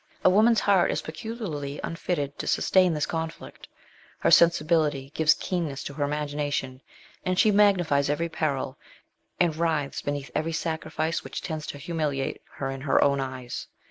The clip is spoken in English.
A woman's heart is peculiarly unfitted to sustain this conflict. Her sensibility gives keenness to her imagination and she magnifies every peril, and writhes beneath every sacrifice which tends to humiliate her in her own eyes.